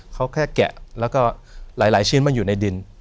เขาแค่แกะงั้นหลายชิ้นมันอยู่ในดิน